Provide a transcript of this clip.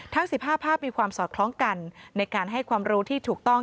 ทั้ง๑๕ภาพมีความสอดคล้องกันในการให้ความรู้ที่ถูกต้อง